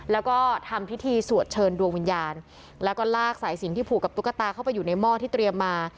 แล้วก็ทำพิธีสวดเชิญดวงวิญญาณแล้วก็ลากสายสิงที่ผูกกับตุ๊กตาเข้าไปอยู่ในหม้อที่เตรียมมา